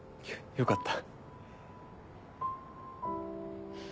よかった。